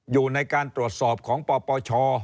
อยู่ในการตรวจสอบของปปช